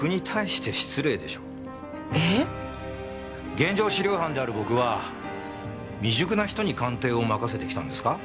現場資料班である僕は未熟な人に鑑定を任せてきたんですか？